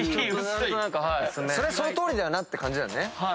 そりゃそのとおりだよなって感じだよね。